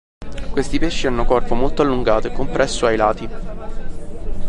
Questi pesci hanno corpo molto allungato e compresso ai lati.